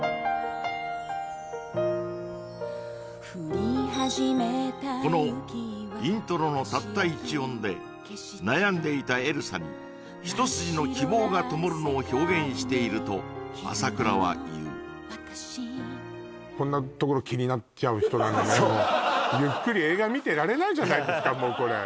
降り始めたこのイントロのたった１音で悩んでいたエルサにひと筋の希望がともるのを表現していると浅倉は言うこんなところ気になっちゃう人なのねじゃないですか